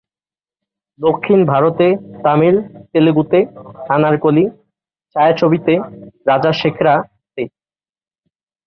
দক্ষিণ ভারতে তামিল, তেলুগুতে 'আনারকলি' ছায়াছবিতে 'রাজাশেখরা'-তে।